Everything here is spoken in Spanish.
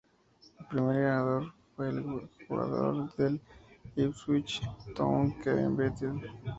El primer ganador fue el jugador del Ipswich Town, Kevin Beattie.